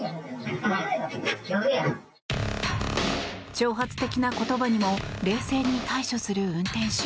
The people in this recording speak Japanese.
挑発的な言葉にも冷静に対処する運転手。